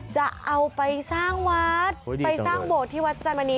จะเอาไปสร้างวัดไปสร้างโบสถที่วัดจันมณี